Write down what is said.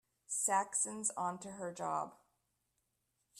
Saxon's onto her job.